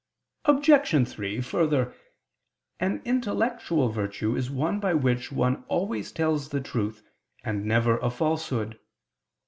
Obj. 3: Further, an intellectual virtue is one by which one always tells the truth, and never a falsehood.